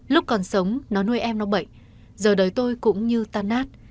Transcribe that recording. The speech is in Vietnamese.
lúc còn sống nó nuôi em nó bệnh giờ đời tôi cũng như tan nát